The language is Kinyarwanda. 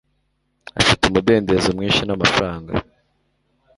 afite umudendezo mwinshi namafaranga